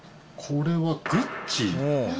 これはグッチ？